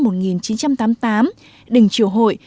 đình chiều hội đã được phong về